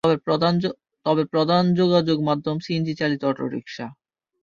তবে প্রধান যোগাযোগ মাধ্যম সিএনজি চালিত অটোরিক্সা।